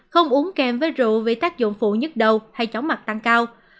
không uống kèm với rượu vì tác dụng phụ nhức đầu hay chóng mặt tăng cao